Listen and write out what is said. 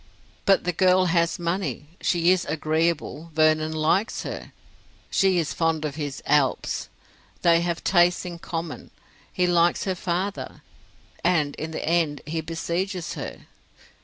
But the girl has money; she is agreeable; Vernon likes her; she is fond of his "Alps", they have tastes in common, he likes her father, and in the end he besieges her.